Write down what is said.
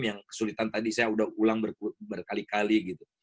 yang kesulitan tadi saya udah ulang berkali kali gitu